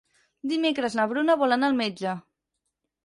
Dimecres na Bruna vol anar al metge.